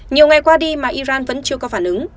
nhiều ngày qua đi mà iran vẫn chưa có phản ứng